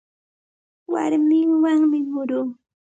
Makiwanmi muruu.